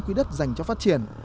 quỹ đất dành cho phát triển